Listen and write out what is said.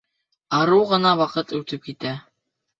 Арыу ғына ваҡыт үтеп китә.